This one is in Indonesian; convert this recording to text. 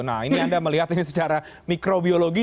nah ini anda melihat ini secara mikrobiologi